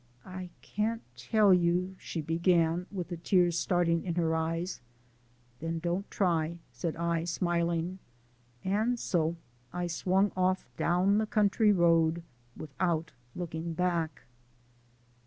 "I can't tell you " she began, with the tears starting in her eyes. "Then don't try " said I, smiling. And so I swung off down the country road, without looking back.